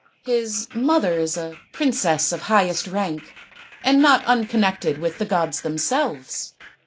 " His mother is a princess of highest rank, and not unconnected with the gods themselves."